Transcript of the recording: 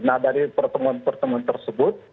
nah dari pertemuan pertemuan tersebut